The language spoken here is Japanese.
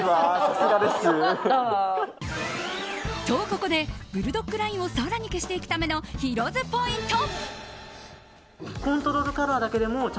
ここで、ブルドッグラインを更に消していくためのヒロ’ｓポイント。